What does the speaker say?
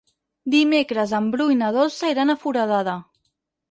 Dimecres en Bru i na Dolça iran a Foradada.